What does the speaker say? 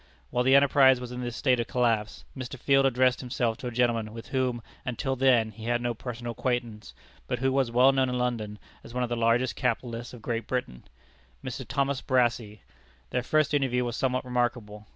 While the enterprise was in this state of collapse, Mr. Field addressed himself to a gentleman with whom, until then, he had no personal acquaintance, but who was well known in London as one of the largest capitalists of Great Britain Mr. Thomas Brassey. Their first interview was somewhat remarkable.